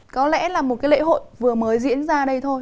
có lẽ là một cái lễ hội vừa mới diễn ra đây thôi